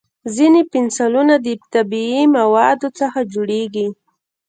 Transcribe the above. ځینې پنسلونه د طبیعي موادو څخه جوړېږي.